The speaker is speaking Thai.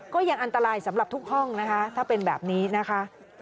ก็ยังอันตรายสำหรับทุกห้องนะคะถ้าเป็นแบบนี้นะคะ